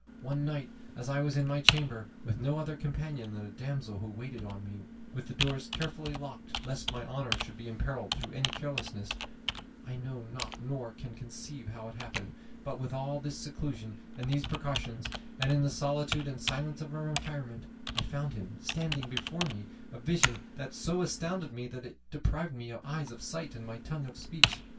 One night, as I was in my chamber with no other companion than a damsel who waited on me, with the doors carefully locked lest my honour should be imperilled through any carelessness, I know not nor can conceive how it happened, but, with all this seclusion and these precautions, and in the solitude and silence of my retirement, I found him standing before me, a vision that so astounded me that it deprived my eyes of sight, and my tongue of speech.